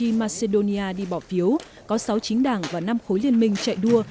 khi macedonia đi bỏ phiếu có sáu chính đảng và năm khối liên minh chạy đua